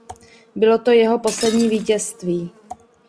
Bylo to jeho poslední vítězství.